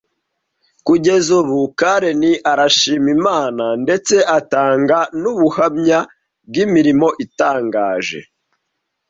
Kugeza ubu Karen arashima Imana ndetse atanga n’ubuhamya bw’imirimo itangaje